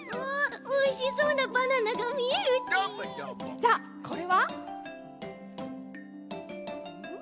じゃあこれは？ん？